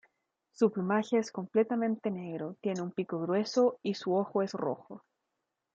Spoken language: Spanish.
Su plumaje es completamente negro, tiene un pico grueso y su ojo es rojo.